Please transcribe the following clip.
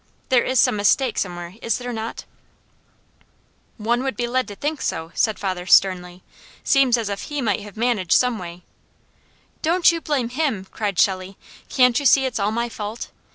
There is some mistake somewhere, is there not '" "One would be led to think so," said father sternly. "Seems as if he might have managed some way " "Don't you blame him!" cried Shelley. "Can't you see it's all my fault?